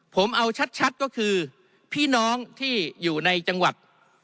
ผมเอาชัดก็คือพี่น้องที่อยู่ในจังหวัด